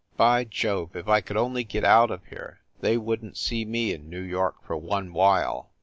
By Jove, if I could only get out of here they wouldn t see me in New York for one while